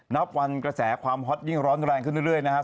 นับวันกระแสความฮอตยิ่งร้อนแรงขึ้นเรื่อยนะครับ